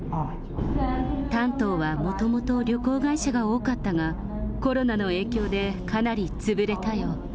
丹東はもともと旅行会社が多かったが、コロナの影響でかなり潰れたよ。